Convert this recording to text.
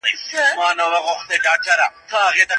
تاسي باید په دغه خونې کي بېدېدلي وای.